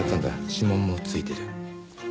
指紋もついてる。